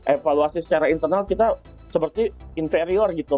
evaluasi secara internal kita seperti inferior gitu